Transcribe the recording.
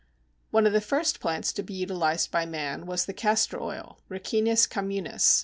One of the first plants to be utilized by man was the Castor oil (Ricinus communis).